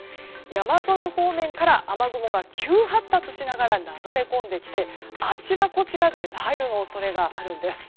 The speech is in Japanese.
山沿い方面から雨雲が急発達しながら流れ込んできてあちらこちらで雷雨の恐れがあるんです。